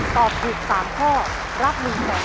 ตอบถูกสามข้อรับ๑๒๐๐๐๐๐บาท